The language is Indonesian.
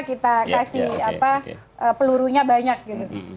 kita kasih pelurunya banyak gitu